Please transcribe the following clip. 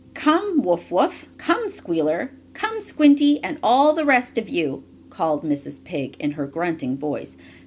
"Come, Wuff Wuff. Come, Squealer. Come, Squinty, and all the rest of you!" called Mrs. Pig in her grunting voice.